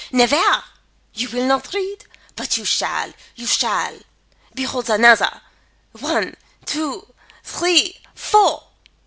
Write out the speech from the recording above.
"Nevaire! You will not read? But you shall, you shall. Behold another! One, two, three, four!"